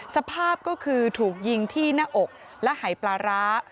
สภาพก็คือถูกยิงที่หน้าอกและหายปลาร้า